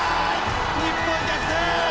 日本逆転！